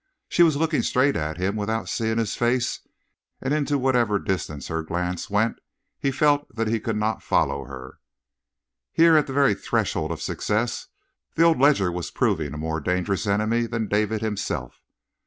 She was looking straight at him without seeing his face and into whatever distance her glance went he felt that he could not follow her. Here at the very threshold of success the old ledger was proving a more dangerous enemy than David himself.